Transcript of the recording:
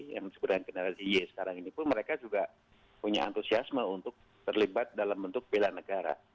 yang sebenarnya generasi y sekarang ini pun mereka juga punya antusiasme untuk terlibat dalam bentuk bela negara